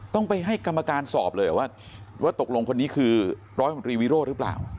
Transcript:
ต้องไปให้กรรมการสอบเลยว่าตกลงคนนี้คือร้อยมนตรีวิโรธหรือเปล่า